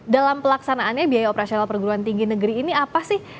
dalam pelaksanaannya biaya operasional perguruan tinggi negeri ini apa sih